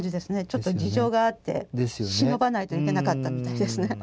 ちょっと事情があって忍ばないといけなかったみたいですね。